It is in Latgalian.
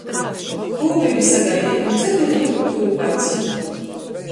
Kū gribi sagaideit nu cytu, dūd tū pats.